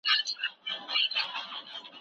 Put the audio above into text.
د بادار کور